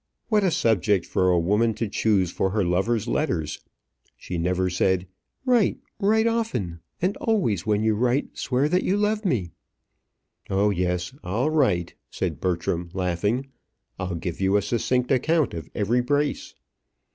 What a subject for a woman to choose for her lover's letters! She never said, "Write, write often; and always when you write, swear that you love me." "Oh, yes, I'll write," said Bertram, laughing. "I'll give you a succinct account of every brace."